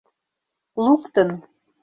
Луктын